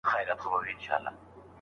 که د کورنۍ معلومات نه وي، واده مه کوئ.